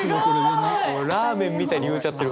ラーメンみたいに言うちゃってる！